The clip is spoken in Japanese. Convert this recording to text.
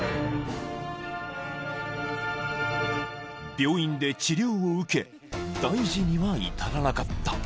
［病院で治療を受け大事には至らなかった］